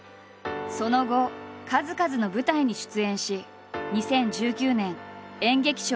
その後数々の舞台に出演し２０１９年演劇賞を受賞した。